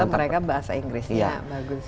dan rata rata mereka bahasa inggris